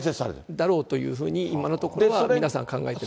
だろうというふうに、今のところ、皆さん考えてます。